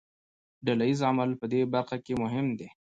ډله ییز عمل په دې برخه کې مهم دی.